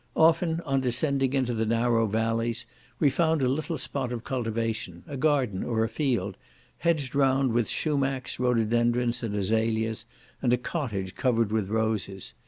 Often, on descending into the narrow vallies, we found a little spot of cultivation, a garden or a field, hedged round with shumacs, rhododendrons, and azalias, and a cottage covered with roses.